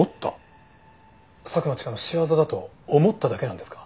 佐久間千佳の仕業だと思っただけなんですか？